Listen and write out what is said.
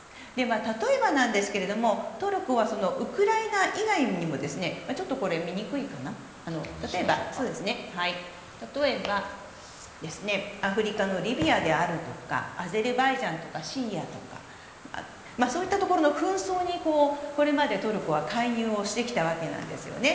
例えば、トルコはウクライナ以外にも例えばアフリカのリビアであるとかアゼルバイジャンとかシリアとかそういったところの紛争にこれまでトルコは関与してきたんですね。